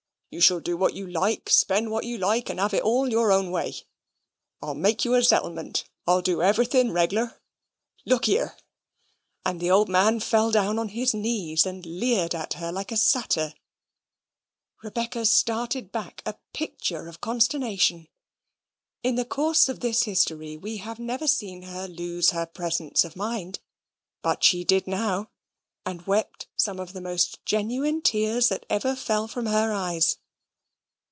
You shall do what you like; spend what you like; and 'ave it all your own way. I'll make you a zettlement. I'll do everything reglar. Look year!" and the old man fell down on his knees and leered at her like a satyr. Rebecca started back a picture of consternation. In the course of this history we have never seen her lose her presence of mind; but she did now, and wept some of the most genuine tears that ever fell from her eyes.